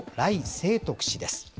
清徳氏です。